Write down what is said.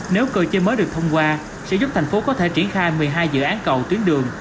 nếu cơ chế mới được thông qua sẽ giúp thành phố có thể triển khai một mươi hai dự án cầu tuyến đường